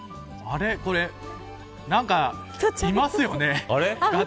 何か、いますよね。